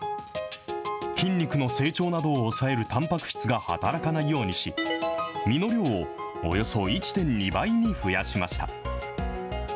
筋肉の成長などを抑えるたんぱく質が働かないようにし、身の量をおよそ１．２倍に増やしました。